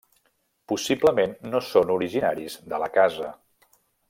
Possiblement no són originaris de la casa.